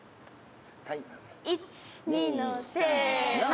１２のせの。